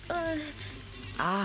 ああ。